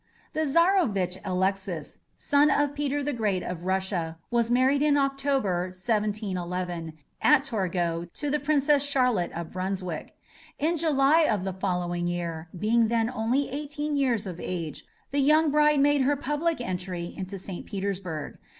D. 1752. The Czarovitch Alexis, son of Peter the Great of Russia, was married in October 1711, at Torgau, to the Princess Charlotte of Brunswick. In July of the following year, being then only eighteen years of age, the young bride made her public entry into St. Petersburg.